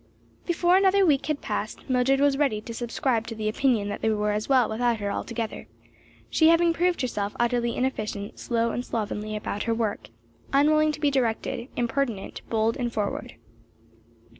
Before another week had passed, Mildred was ready to subscribe to the opinion that they were as well without her altogether she having proved herself utterly inefficient, slow and slovenly about her work, unwilling to be directed, impertinent, bold and forward.